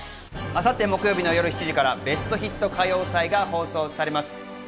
明後日木曜日の夜７時から『ベストヒット歌謡祭』が放送されます。